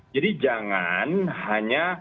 jadi jangan hanya